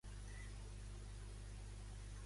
Té una desena de condecoracions policials.